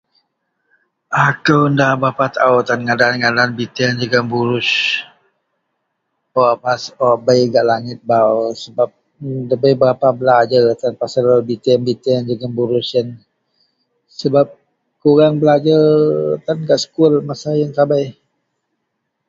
Alo nda berapa tao tan ngadan-ngadan biteang-biteang jegem borous.wak bei hak langit bei debei belajer pasel biteang jegem...borous .iyen sebab kureang tan belajer gak sekul masa iyen sabei.